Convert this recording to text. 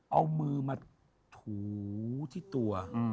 เอามือมาถูที่ตัว